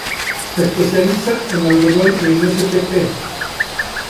Se especializa en algodón y en spp.